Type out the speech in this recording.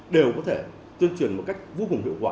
đều có thể tuyên truyền một cách vô cùng hiệu quả